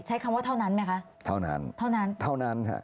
ใช้คำว่าเท่านั้นไหมคะเท่านั้นเท่านั้นเท่านั้นฮะ